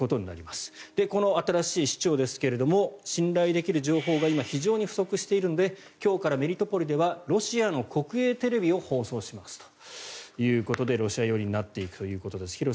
この新しい市長ですが信頼できる情報が今、非常に不足しているので今日からメリトポリではロシアの国営テレビを放送しますということでロシア寄りになっていくということです。